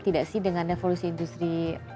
tidak sih dengan revolusi industri